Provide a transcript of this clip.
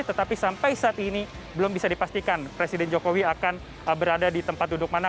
tetapi sampai saat ini belum bisa dipastikan presiden jokowi akan berada di tempat duduk mana